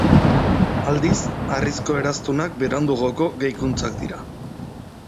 Aldiz, harrizko eraztunak beranduagoko gehikuntzak dira.